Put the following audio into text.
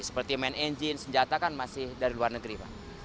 seperti main engine senjata kan masih dari luar negeri pak